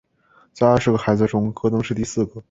在十二个孩子中戈登是第四个。